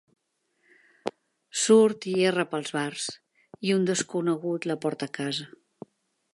Surt i erra pels bars, i un desconegut la porta a casa.